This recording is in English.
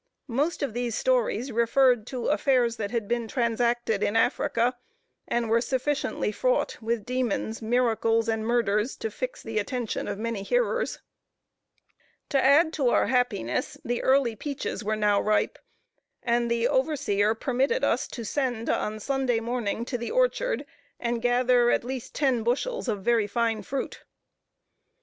Most of these stories referred to affairs that had been transacted in Africa, and were sufficiently fraught with demons, miracles, and murders, to fix the attention of many hearers. To add to our happiness, the early peaches were now ripe, and the overseer permitted us to send, on Sunday morning, to the orchard, and gather at least ten bushels of very fine fruit.